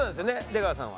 出川さんは。